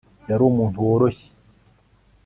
Yari umuntu woroshye